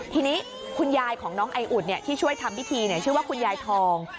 ทีนี้คุณยายของน้องไออุ่นที่ช่วยทำพิธีชื่อว่าคุณยายทอง